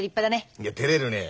いやてれるねえ。